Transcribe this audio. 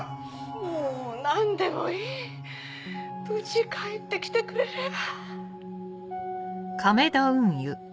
もう何でもいい無事帰って来てくれれば。